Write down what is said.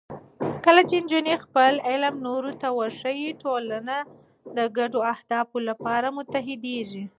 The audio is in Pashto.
کله چې نجونې خپل علم نورو ته وښيي، ټولنه د ګډو اهدافو لپاره متحدېږي.